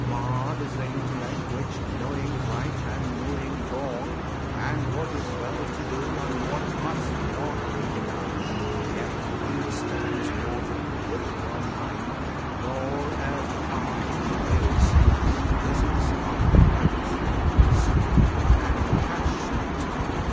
Marred is the Intellect which, knowing right And knowing wrong, and what is well to do And what must not be done, yet understands Nought with firm mind, nor as the calm truth is: This is of Rajas, Prince! and "passionate!"